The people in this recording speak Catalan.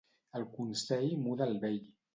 El consell muda al vell.